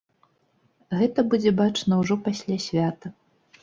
Гэта будзе бачна ўжо пасля свята.